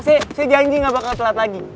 saya janji gak bakal telat lagi